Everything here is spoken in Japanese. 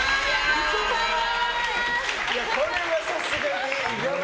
これはさすがに。